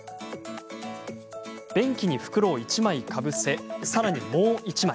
便器に袋を１枚かぶせさらに、もう１枚。